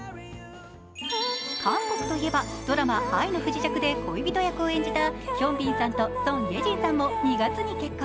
韓国と言えばドラマ「愛の不時着」で恋人役を演じたヒョン・ビンさんとソン・イェジンさんも２月に結婚。